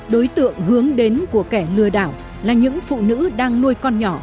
đối tượng hướng đến của kẻ lừa đảo là những phụ nữ đang nuôi con nhỏ